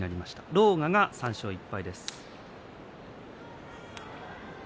狼雅が３勝１敗です。